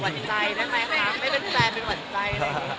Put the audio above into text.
ไม่เป็นใจได้ไหมครับไม่เป็นแฟนไม่เป็นหวันใจ